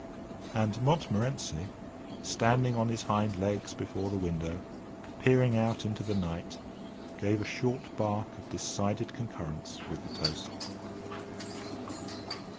And Montmorency, standing on his hind legs, before the window, peering out into the night, gave a short bark of decided concurrence with the toast.